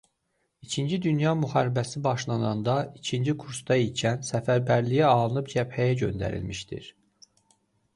İkinci Dünya müharibəsi başlananda ikinci kursda ikən səfərbərliyə alınıb cəbhəyə göndərilmişdir.